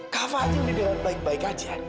kava aja udah baik baik aja